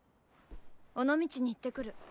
尾道に行ってくる。